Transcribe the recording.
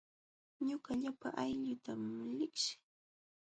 Ñuqa llapa aylluutam liqsii.